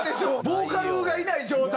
ボーカルがいない状態でね。